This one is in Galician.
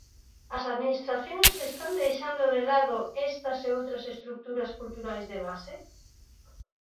As administracións están deixando de lado estas e outras estruturas culturais de base?